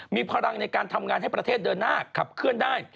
มีพลังในการทำงานให้ประเทศเดินหน้าขับเคลื่อนได้